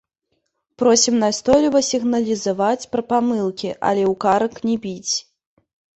Просім настойліва сігналізаваць пра памылкі, але ў карак не біць.